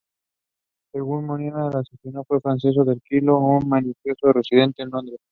Según Mannoia el asesino fue Francesco di Carlo, un mafioso residente en Londres.